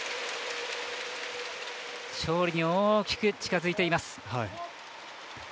勝利に大きく近づいています。